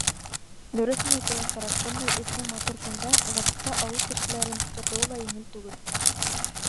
Дөрөҫөн әйтергә кәрәк, бындай эҫе, матур көндә, ғәҙәттә, ауыл кешеләрен тотоуы ла еңел түгел.